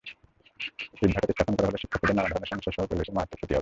ইটভাটাটি স্থাপন করা হলে শিক্ষার্থীদের নানা ধরনের সমস্যাসহ পরিবেশের মারাত্মক ক্ষতি হবে।